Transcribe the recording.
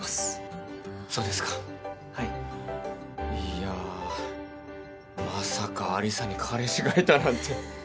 いやまさか有沙に彼氏がいたなんて。